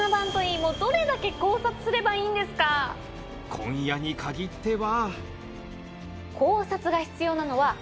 今夜に限っては